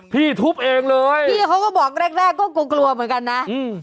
พี่ทุบเองเลยพี่เขาก็บอกแรกแรกก็กลัวกลัวเหมือนกันนะอืม